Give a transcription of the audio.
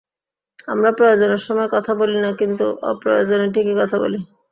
আমরা প্রয়োজনের সময় কথা বলি না কিন্তু অপ্রয়োজনে ঠিকই কথা বলি।